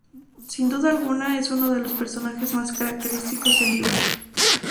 Sin duda alguna, es uno de los personajes más característicos del libro.